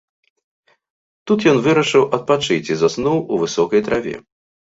Тут ён вырашыў адпачыць і заснуў у высокай траве.